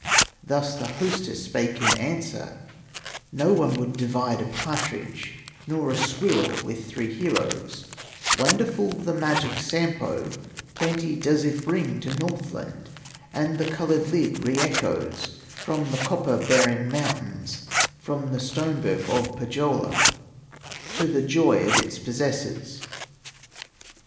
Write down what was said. Thus the hostess spake in answer: "No one would divide a partridge, Nor a squirrel, with three heroes; Wonderful the magic Sampo, Plenty does it bring to Northland; And the colored lid re echoes From the copper bearing mountains, From the stone berg of Pohyola, To the joy of its possessors."